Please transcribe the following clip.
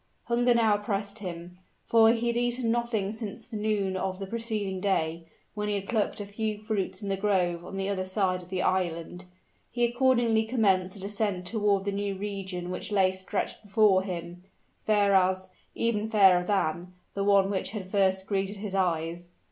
Hunger now oppressed him; for he had eaten nothing since the noon of the preceding day, when he had plucked a few fruits in the groves on the other side of the island. He accordingly commenced a descent toward the new region which lay stretched before him, fair as even fairer than the one which had first greeted his eyes.